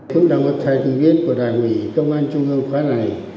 hướng đồng hợp thầy thường viên của đảng ủy công an trung ương khóa này